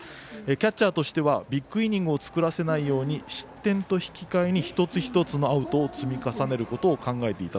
キャッチャーとしてはビッグイニングを作らせないように失点と引き換えに一つ一つのアウトを積み重ねることを考えていた。